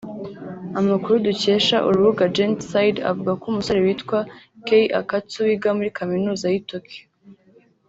Amakuru dukesha urubuga Gentside avuga ko umusore witwa Kei Akatsu wiga muri kaminuza y’i Tokyo